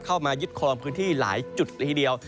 เข้ามายึดคลองพื้นที่หลายจุดละทีเดียว